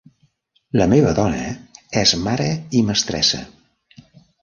La meva dona és mare i mestressa.